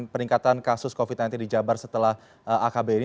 peningkatan kasus covid sembilan belas di jabar setelah akb ini